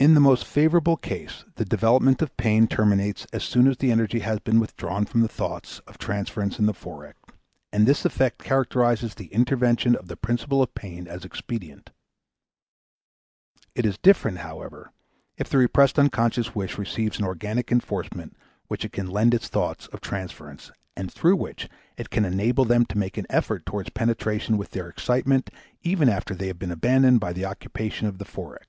In the most favorable case the development of pain terminates as soon as the energy has been withdrawn from the thoughts of transference in the Forec., and this effect characterizes the intervention of the principle of pain as expedient. It is different, however, if the repressed unconscious wish receives an organic enforcement which it can lend to its thoughts of transference and through which it can enable them to make an effort towards penetration with their excitement, even after they have been abandoned by the occupation of the Forec.